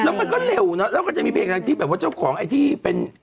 แล้วมันก็เร็วเนอะแล้วก็จะมีเพลงอะไรที่แบบว่าเจ้าของไอ้ที่เป็น